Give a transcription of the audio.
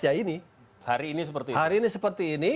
ya ini hari ini seperti ini